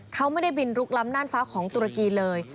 เขาไม่ได้บินลุกล้ำน่านฟ้าของตุรกีเลย